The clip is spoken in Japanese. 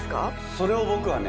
それを僕はね